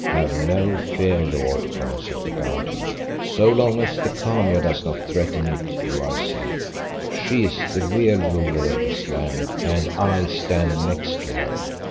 "Have no fear, lord," answered the Guardian; "so long as the Khania does not threaten it you are safe. She is the real ruler of this land, and I stand next to her."